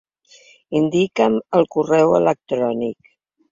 Indica'm el correu electrònic.